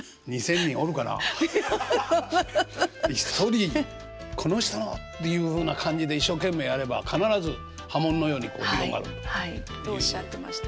１人この人の！っていうふうな感じで一生懸命やれば必ず波紋のように広がる。っておっしゃってました。